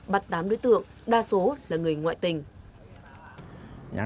bắt tám đối tượng đa số là người ngoại tình